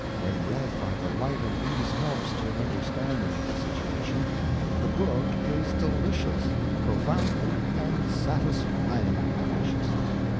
When read by the light of these helps to an understanding of the situation, the book is delicious profoundly and satisfyingly delicious.